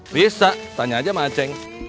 bisa tanya aja sama aceng